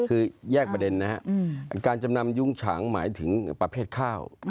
คือแยกประเด็นนะครับการจำนำยุ้งฉางหมายถึงประเภทข้าว